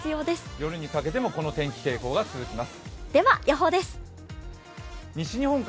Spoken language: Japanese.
夜にかけてもこの天気傾向が続きます。